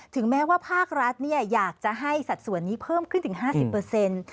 ถึงแม้ว่าภาครัฐอยากจะให้สัดส่วนนี้เพิ่มขึ้นถึง๕๐